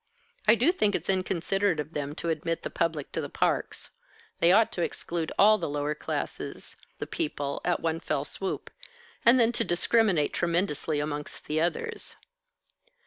I do think it's inconsiderate of them to admit the public to the parks. They ought to exclude all the lower classes, the people, at one fell swoop, and then to discriminate tremendously amongst the others."